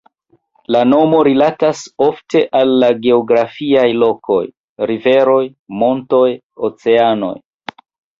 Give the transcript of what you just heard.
La nomo rilatas ofte al la geografiaj lokoj: riveroj, montoj, oceanoj.